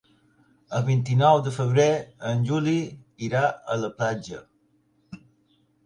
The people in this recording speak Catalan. El vint-i-nou de febrer en Juli irà a la platja.